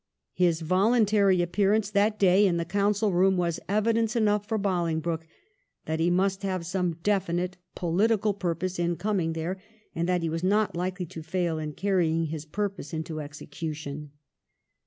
His voluntary appearance that day in the Council room was evidence enough for Bolingbroke that he must have some definite political purpose in coming there, and that he was not likely to fail in carrying his purpose into execution.